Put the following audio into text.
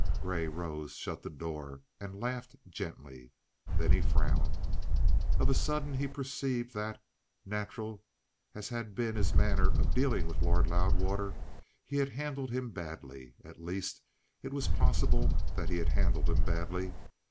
Grey rose, shut the door, and laughed gently. Then he frowned. Of a sudden he perceived that, natural as had been his manner of dealing with Lord Loudwater, he had handled him badly. At least, it was possible that he had handled him badly.